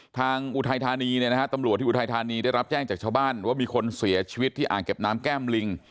อุทัยธานีเนี่ยนะฮะตำรวจที่อุทัยธานีได้รับแจ้งจากชาวบ้านว่ามีคนเสียชีวิตที่อ่างเก็บน้ำแก้มลิง